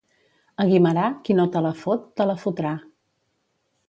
A Guimerà, qui no te la fot, te la fotrà.